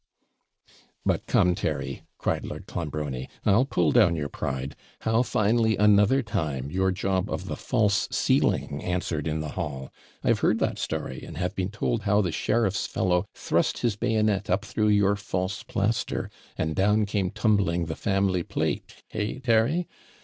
'But come, Terry,' cried Lord Clonbrony, 'I'll pull down your pride. How finely, another time, your job of the false ceiling answered in the hall. I've heard that story, and have been told how the sheriffs fellow thrust his bayonet up through your false plaster, and down came tumbling the family plate hey, Terry?